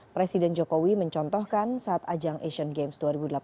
presiden jokowi mencontohkan saat ajang asian games dua ribu delapan belas